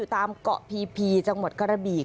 ตามเกาะพีจังหวัดกระบี่